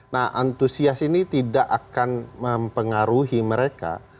nah antusias ini tidak akan mempengaruhi mereka